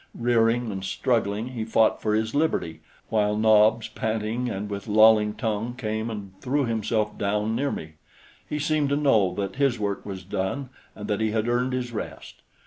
Rearing and struggling, he fought for his liberty while Nobs, panting and with lolling tongue, came and threw himself down near me. He seemed to know that his work was done and that he had earned his rest.